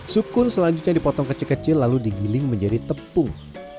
sukun selanjutnya dipotong kecil kecil lalu digiling menjadi tepung